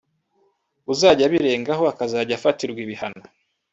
uzajya abirengaho akazajya afatirwa ibihano